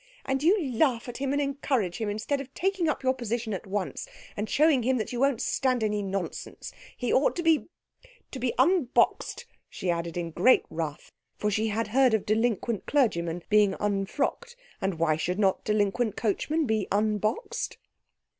"And you laugh at him and encourage him, instead of taking up your position at once and showing him that you won't stand any nonsense. He ought to be to be unboxed!" she added in great wrath; for she had heard of delinquent clergymen being unfrocked, and why should not delinquent coachmen be unboxed?